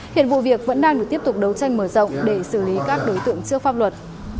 hiện vụ việc vẫn đang được tiếp tục đấu tranh mở rộng để xử lý các đối tượng trước pháp luật